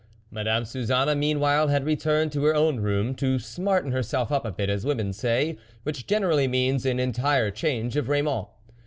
Madame Su zanne, meanwhile, had returned to her own room to smarten herself up a bit, as women say, which generally means an entire change of raiment.